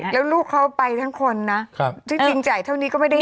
แล้วลูกเค้าไปทั้งคนซึ่งจ่ายเท่านี้ก็ไม่ได้เยอะ